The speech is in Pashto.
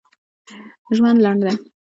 ژوند لنډ دی